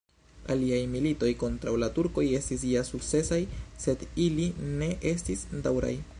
Aliaj militoj kontraŭ la turkoj estis ja sukcesaj, sed ili ne estis daŭraj.